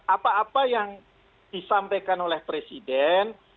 apa apa yang disampaikan oleh presiden